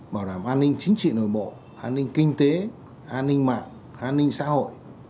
bảo đảm an ninh chính trị nội bộ an ninh kinh tế an ninh mạng an ninh xã hội